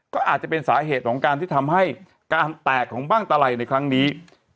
ก็อาจจะเป็นสาเหตุของการที่ทำให้การแตกของบ้างตะไหลในครั้งนี้